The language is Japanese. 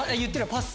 パス。